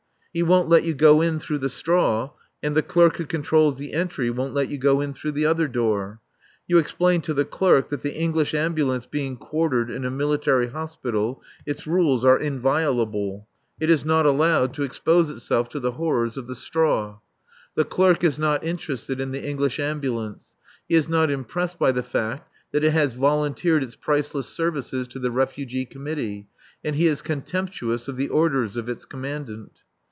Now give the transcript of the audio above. He won't let you go in through the straw, and the clerk who controls the entry won't let you go in through the other door. You explain to the clerk that the English Ambulance being quartered in a Military Hospital, its rules are inviolable; it is not allowed to expose itself to the horrors of the straw. The clerk is not interested in the English Ambulance, he is not impressed by the fact that it has volunteered its priceless services to the Refugee Committee, and he is contemptuous of the orders of its Commandant.